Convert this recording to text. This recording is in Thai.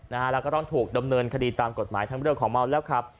แล้วก็ต้องถูกดำเนินคดีตามกฎหมายทั้งเรื่องของเมาแล้วขับ